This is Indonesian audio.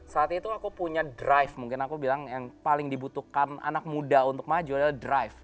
saat itu aku punya drive mungkin aku bilang yang paling dibutuhkan anak muda untuk maju adalah drive